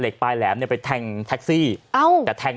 แล้วไปอยู่ในบ้านของท่าบ้าน